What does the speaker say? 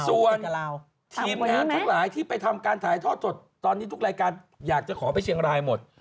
ส่วนทีมงานทั้งหลายที่ไปทำการถ่ายทอดสดตอนนี้ทุกรายการอยากจะขอไปเชียงรายหมด